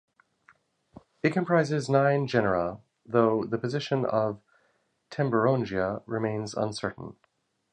It comprises nine genera, though the position of "Temburongia" remains uncertain.